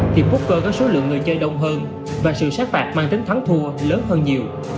thì booker có số lượng người chơi đông hơn và sự sát bạc mang tính thắng thua lớn hơn nhiều